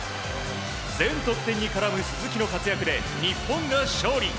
全得点に絡む鈴木の活躍で日本が勝利。